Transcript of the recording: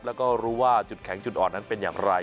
แล้วก็รู้ว่าจุดแข็งจุดอ่อนนั้นเป็นอย่างไร